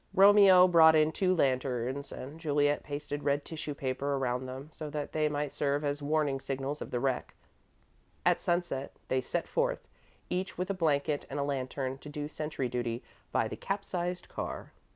Romeo brought in two lanterns and Juliet pasted red tissue paper around them, so that they might serve as warning signals of the wreck. At sunset, they set forth, each with a blanket and a lantern to do sentry duty by the capsized car.